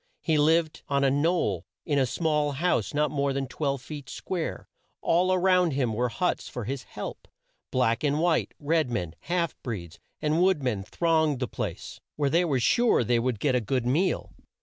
He lived on a knoll, in a small house not more than twelve feet square. All round him were the huts for his "help," black and white. Red men, half breeds, and wood men thronged the place, where they were sure they would get a good meal.